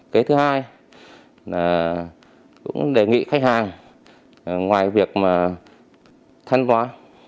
cái thứ hai là cũng đề nghị khách hàng ngoài việc mà thân või